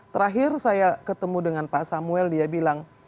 terakhir saya ketemu dengan pak samuel dia bilang